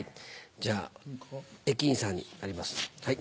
じゃあ駅員さんになります。